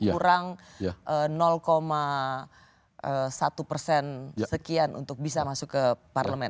kurang satu persen sekian untuk bisa masuk ke parlemen